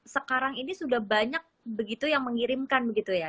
sekarang ini sudah banyak begitu yang mengirimkan begitu ya